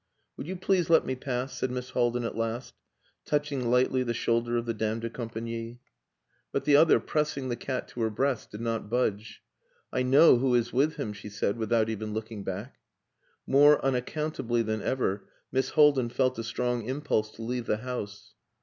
"Would you please let me pass?" said Miss Haldin at last, touching lightly the shoulder of the dame de compagnie. But the other, pressing the cat to her breast, did not budge. "I know who is with him," she said, without even looking back. More unaccountably than ever Miss Haldin felt a strong impulse to leave the house.